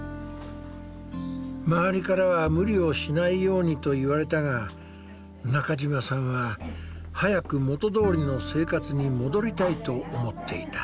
周りからは無理をしないようにと言われたが中嶋さんは早く元どおりの生活に戻りたいと思っていた。